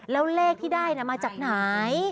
แล้วเลขที่ได้มาจากไหน